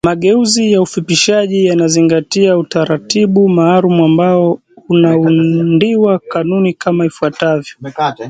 Mageuzi ya ufupishaji yanazingatia utaratibu maalum ambao unaundiwa kanuni kama ifuatavyo